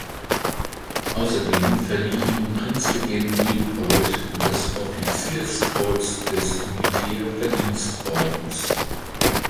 Außerdem verlieh ihm Prinzregent Luitpold das Offizierskreuz des Militärverdienstordens.